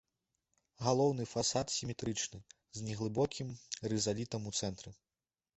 Галоўны фасад сіметрычны, з неглыбокім рызалітам у цэнтры.